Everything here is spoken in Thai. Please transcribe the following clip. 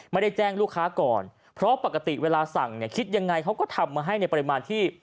ไม่ได้แจ้งลูกค้าก่อนเพราะปกติเวลาสั่งเนี่ยคิดยังไงเขาก็ทำมาให้ในปริมาณที่